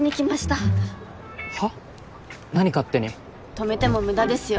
止めても無駄ですよ。